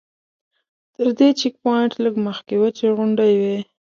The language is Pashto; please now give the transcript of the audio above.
تر دې چیک پواینټ لږ مخکې وچې غونډۍ وې.